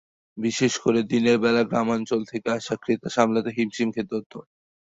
বিশেষ করে দিনের বেলা গ্রামাঞ্চল থেকে আসা ক্রেতা সামলাতে হিমশিম খেতে হতো।